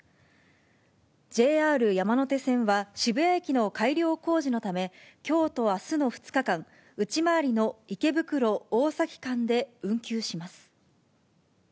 ＪＲ山手線は、渋谷駅の改良工事のため、きょうとあすの２日間、内回りの池袋・大崎間で運休します。